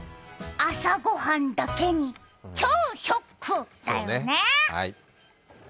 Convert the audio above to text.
朝ご飯だけに、ちょーショックだよね。